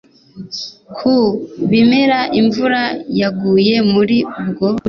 Ku bimera imvura yaguye muri ubwo buryo